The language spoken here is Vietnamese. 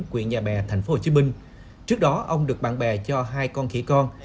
quyện nhà bè tp hcm trước đó ông được bạn bè cho hai con khỉ con